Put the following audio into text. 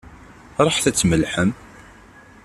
Ṛuḥet ad tmellḥem!